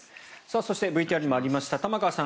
そしてＶＴＲにもありました玉川さん